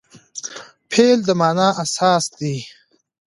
فعل د مانا اساس دئ.